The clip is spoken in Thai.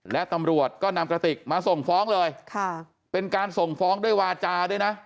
และตำรวจก็นำกระติกมาส่งฟ้องเลยค่ะเป็นการส่งฟ้องด้วยวาจาด้วยนะ